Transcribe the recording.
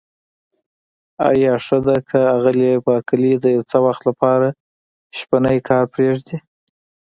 آیا ښه ده که آغلې بارکلي د یو څه وخت لپاره شپنی کار پرېږدي؟